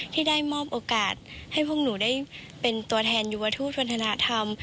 ที่ได้มอบโอกาสให้พวกหนูได้เป็นตัวแทนยูวทูตวัฒนธรรม